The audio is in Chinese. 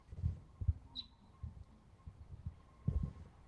邦奥人口变化图示